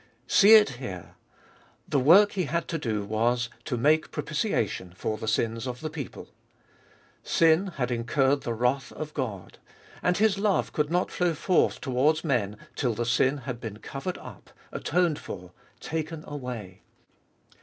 See it here. The work He had to do was — to make propi tiation for the sins of the people. Sin had incurred the wrath of God, and His love could not flow forth towards men till the sin had been covered up, atoned for, taken away.